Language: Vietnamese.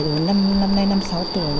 tuổi từ năm nay năm sáu tuổi